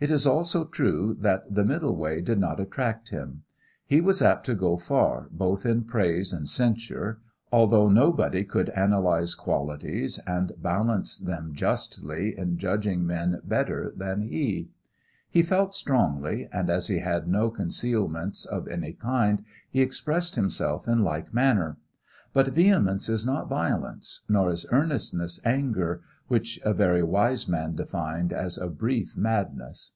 It is also true that the middle way did not attract him. He was apt to go far, both in praise and censure, although nobody could analyze qualities and balance them justly in judging men better than he. He felt strongly, and as he had no concealments of any kind, he expressed himself in like manner. But vehemence is not violence nor is earnestness anger, which a very wise man defined as a brief madness.